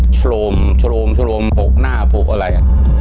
ชลมชลมชลมโหกหน้าพวกอะไร